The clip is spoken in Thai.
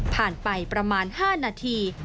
ผ่านไปประมาณ๕นาที